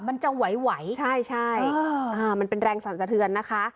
มันจะไหวใช่มันเป็นแรงสรรสะเทือนนะคะ